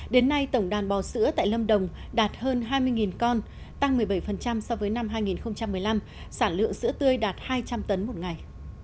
đến nay tổng đàn bò sữa tại lâm đồng đạt hơn hai mươi con tăng một mươi bảy so với năm hai nghìn một mươi năm sản lượng sữa tươi đạt hai trăm linh tấn một ngày